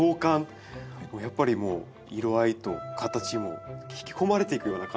やっぱり色合いと形も引き込まれていくような感じがします。